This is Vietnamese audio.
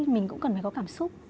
mình cũng cần phải có cảm xúc